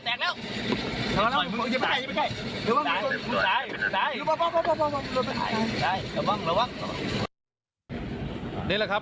แตกแล้วแตกแล้วอยู่บ้างรอบรอบ